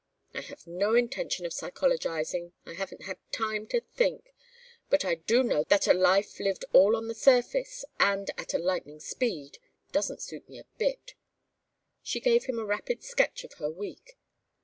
"I have no intention of psychologizing. I haven't had time to think. But I do know that a life lived all on the surface and at lightning speed doesn't suit me a bit." She gave him a rapid sketch of her week.